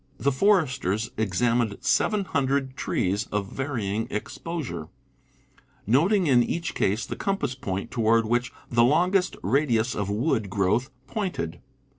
The foresters examined 700 trees, of varying exposure, noting in each case the compass point toward which the longest radius of wood growth pointed.